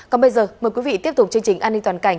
còn bây giờ mời quý vị tiếp tục chương trình an ninh toàn cảnh